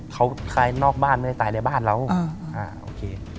เขาใครนอกบ้านไม่ได้ตายในบ้านแล้ว